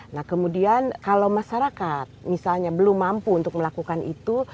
nah kemudian kalau masyarakat misalnya belum mampu untuk melakukan itu